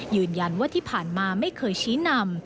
ยืนยันว่าที่ผ่านมาไม่เคยชี้นำ